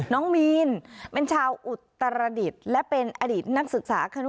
น้องมีนมันชาวอุตรฐรรดิช์และเป็นอดีตนักศึกษา